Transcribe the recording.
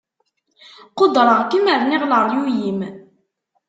Qudreɣ-kem rniɣ leryuy-im.